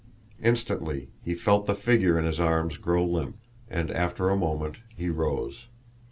Instantly he felt the figure in his arms grow limp; and after a moment he rose.